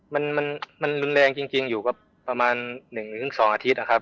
มันมันรุนแรงจริงอยู่ก็ประมาณ๑๒อาทิตย์นะครับ